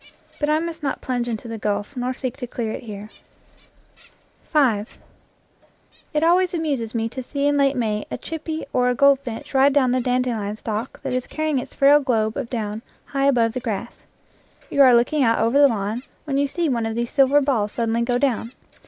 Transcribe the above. But I must not plunge into the gulf, nor seek to clear it here. 91 IN FIELD AND WOOD It always amuses me to see in late May a " chippy'* or a goldfinch ride down the dandelion stalk that is carrying its frail globe of down high above the grass. You are looking out over the lawn when you see one of these silver balls suddenly go down.